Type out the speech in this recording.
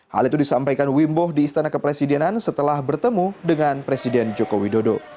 hal itu disampaikan wimbo di istana kepresidenan setelah bertemu dengan presiden joko widodo